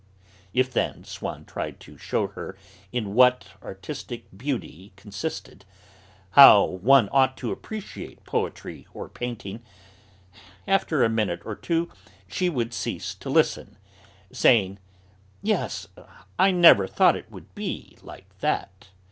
If, then, Swann tried to shew her in what artistic beauty consisted, how one ought to appreciate poetry or painting, after a minute or two she would cease to listen, saying: "Yes... I never thought it would be like that."